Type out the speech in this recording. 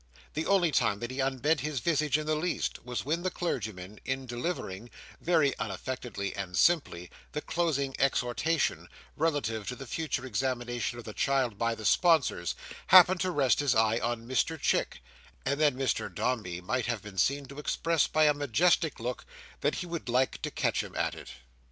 The only time that he unbent his visage in the least, was when the clergyman, in delivering (very unaffectedly and simply) the closing exhortation, relative to the future examination of the child by the sponsors, happened to rest his eye on Mr Chick; and then Mr Dombey might have been seen to express by a majestic look, that he would like to catch him at it.